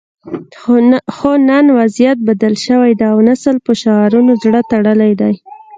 خو نن وضعیت بدل شوی دی او نسل په شعارونو زړه تړلی دی